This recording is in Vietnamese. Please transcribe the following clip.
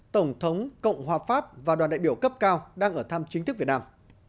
tổng thống cộng hòa pháp và đoàn đại biểu cấp cao đang ở thăm chính thức việt nam